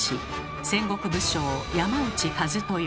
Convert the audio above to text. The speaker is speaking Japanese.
戦国武将山内一豊。